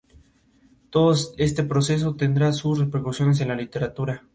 Los Consejos Locales se convirtieron en una extensión del gobierno Federal.